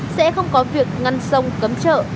sẽ không có việc ngăn sông cấm trợ